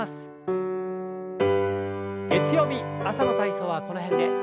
月曜日朝の体操はこの辺で。